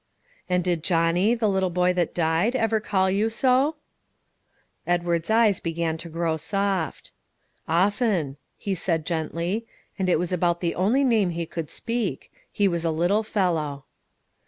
"And did Johnny, the little boy that died, ever call you so?" Edward's eyes began to grow soft. "Often," he said gently; "and it was about the only name he could speak; he was a little fellow."